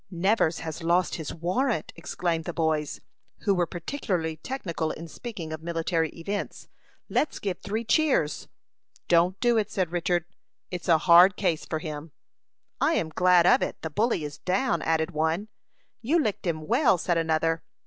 "Nevers has lost his warrant," exclaimed the boys, who were particularly technical in speaking of military events. "Let's give three cheers." "Don't do it," said Richard. "It's a hard case for him." "I am glad of it. The bully is down," added one." "You licked him well," said another.